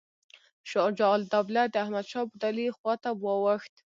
شجاع الدوله د احمدشاه ابدالي خواته واوښت.